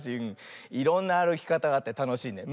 いろんなあるきかたがあってたのしいね。